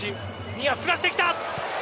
ニア、すらしてきた。